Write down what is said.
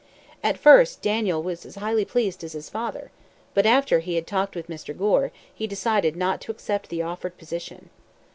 At first Daniel was as highly pleased as his father. But after he had talked with Mr. Gore, he decided not to accept the offered position.